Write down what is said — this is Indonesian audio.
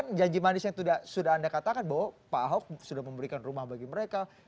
tapi kan janji manis yang sudah anda katakan bahwa pak ahok sudah memberikan rumah bagi mereka